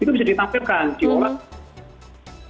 itu bisa ditampilkan di olahraga